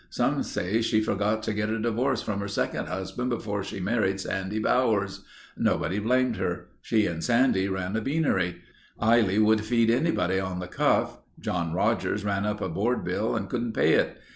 Some say she forgot to get a divorce from her second husband before she married Sandy Bowers. Nobody blamed her. She and Sandy ran a beanery. Eilly would feed anybody on the cuff. John Rodgers ran up a board bill and couldn't pay it.